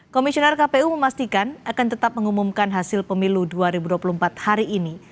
komisioner kpu memastikan akan tetap mengumumkan hasil pemilu dua ribu dua puluh empat hari ini